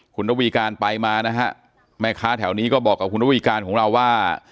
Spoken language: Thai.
คุณระวีการไปมานะฮะแม่ค้าแถวนี้ก็บอกกับคุณระวีการของเราว่า